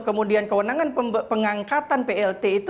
kemudian kewenangan pengangkatan plt itu sudah mengaku